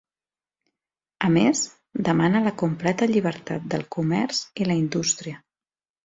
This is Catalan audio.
A més, demana la completa llibertat del comerç i la indústria.